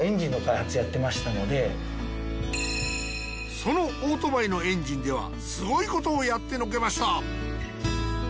そのオートバイのエンジンではすごいことをやってのけました